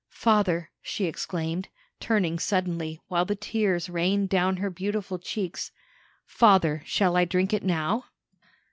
Father," she exclaimed, turning suddenly, while the tears rained down her beautiful cheeks, "father, shall I drink it now?"